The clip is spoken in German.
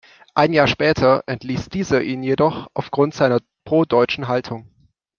Ein Jahr später entließ dieser ihn jedoch aufgrund seiner pro-deutschen Haltung.